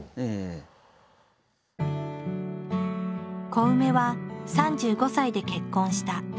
コウメは３５歳で結婚した。